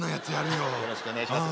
よろしくお願いします